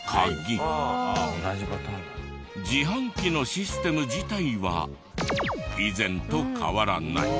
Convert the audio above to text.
自販機のシステム自体は以前と変わらない。